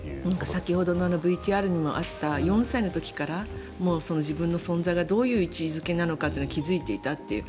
先ほどのＶＴＲにもあった４歳の時から自分の存在がどういう位置付けなのか気付いていたという。